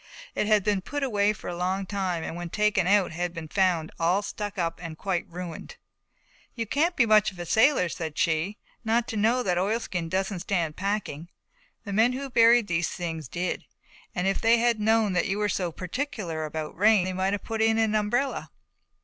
It had been put away for a long time and when taken out had been found all stuck up and quite ruined. "You can't be much of a sailor," said she, "not to know that oilskin doesn't stand packing. The men who buried these things did. If they had known that you were so particular about rain they might have put in an umbrella."